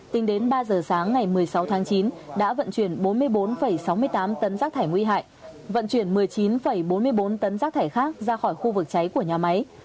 tính đến ba giờ sáng ngày một mươi sáu tháng chín đã vận chuyển bốn mươi bốn sáu mươi tám tấn rác thải nguy hại vận chuyển một mươi chín bốn mươi bốn tấn rác thải khác ra khỏi khu vực cháy của nhà máy